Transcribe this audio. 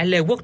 lê quốc minh